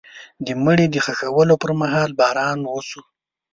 د مړي د ښخولو پر مهال باران وشو.